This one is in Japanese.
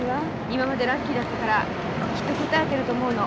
今までラッキーだったからきっとこたえてると思うの。